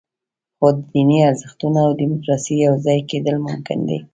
خو د دیني ارزښتونو او دیموکراسۍ یوځای کېدل ممکن دي.